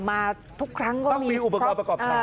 มาทุกครั้งก็ต้องมีอุปกรณ์ประกอบชาย